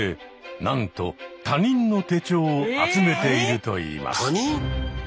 なんと他人の手帳を集めているといいます。